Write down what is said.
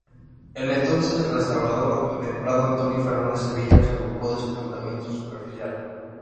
El entonces restaurador del Prado Antonio Fernández Sevilla, se ocupó de su tratamiento superficial.